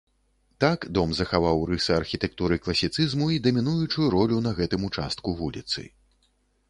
Так дом захаваў рысы архітэктуры класіцызму і дамінуючую ролю на гэтым участку вуліцы.